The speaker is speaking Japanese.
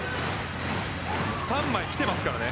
３枚きてますからね。